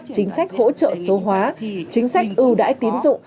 chính sách hỗ trợ số hóa chính sách ưu đãi tín dụng